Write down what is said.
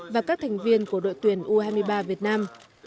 và các thành viên của đội tuyển u hai mươi ba việt nam